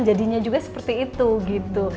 jadinya juga seperti itu